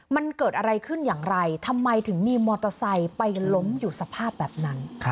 มันเกิดอะไรขึ้นอย่างไรทำไมถึงมีมอเตอร์ไซค์ไปล้มอยู่สภาพแบบนั้น